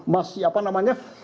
masih apa namanya